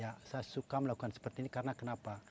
ya saya suka melakukan seperti ini karena kenapa